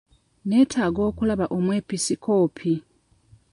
Nneetaaga okulaba omwepisikoopi.